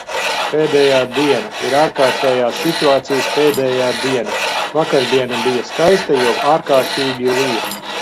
Pēdējā diena. Ir ārkārtējās situācijas pēdējā diena. Vakardiena bija skaista, jo ārkārtīgi lija.